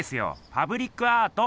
パブリックアート！